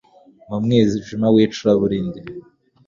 mu mwijima w'icuraburindi